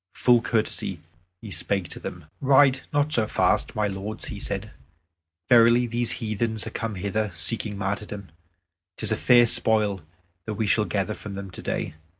Full courteously he spake to them: "Ride not so fast, my lords," he said; "verily these heathen are come hither, seeking martyrdom. 'Tis a fair spoil that we shall gather from them today.